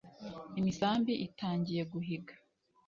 imisambi itangiye guhiga